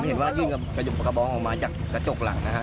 ใช่ครับเหมือนเห็นว่ายื่นกระบองออกมาจากกระจกหลังนะฮะ